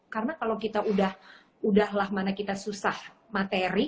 karena kalau kita udah lah mana kita susah materi